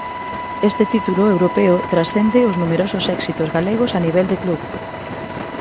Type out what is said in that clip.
Este título europeo transcende os numerosos éxitos galegos a nivel de club.